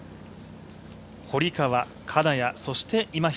堀川、金谷、そして今平。